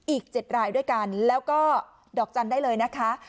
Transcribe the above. อีก๗รายด้วยกันแล้วก็ดอกจันทร์ได้เลยนะคะ